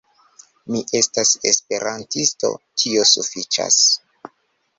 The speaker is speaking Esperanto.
Mi estas Esperantisto, tio sufiĉas.